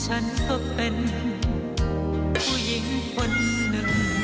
ฉันก็เป็นผู้หญิงคนหนึ่ง